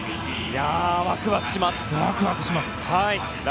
ワクワクします。